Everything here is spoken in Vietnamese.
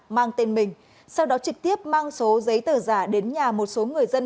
mang tên mình sau đó trực tiếp mang số giấy tờ giả đến nhà một số người dân